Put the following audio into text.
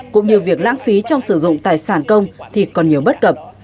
cũng như việc lãng phí trong sử dụng tài sản công thì còn nhiều bất cập